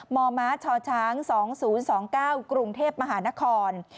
มมชช๒๐๒๙กรุงเทพมหานคร